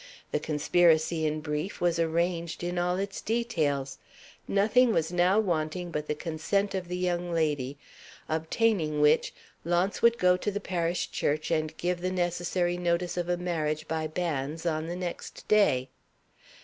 The conspiracy, in brief, was arranged in all its details. Nothing was now wanting but the consent of the young lady; obtaining which, Launce would go to the parish church and give the necessary notice of a marriage by banns on the next day.